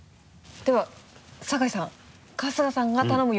では酒井さん春日さんが頼む